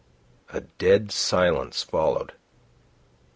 A dead silence followed.